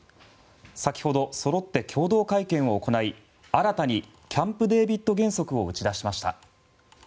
先ほどそろって共同会見を行い新たにキャンプデービッド原則を打ち出しました。